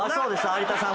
有田さん